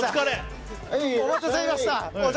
お待たせしました。